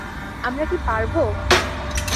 আমরা কি পারব?